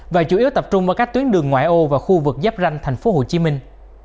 và chủ yếu tập trung ở các tuyến đường ngoại ô và khu vực giáp ranh thành phố hồ chí minh